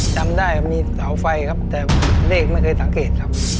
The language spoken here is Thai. จำได้มีเสาไฟครับแต่เลขไม่เคยสังเกตครับ